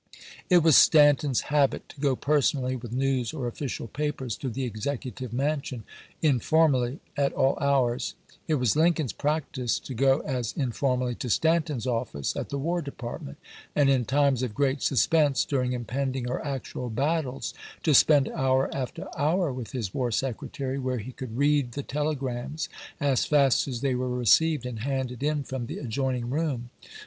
It was Stanton's habit to go personally with news or official papers to the Execu tive Mansion, informally, at all hours ; it was Lin coln's practice to go as informally to Stanton's office at the War Department, and in times of great 142 ABRAHAM LINCOLN Chap. Till, suspense, during impending or actual battles, to spend hour after hour with his War Secretary, where he could read the telegrams as fast as they were received and handed in from the adjoining room.